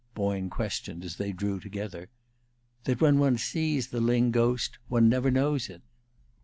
Boyne questioned as they drew together. "That when one sees the Lyng ghost one never knows it."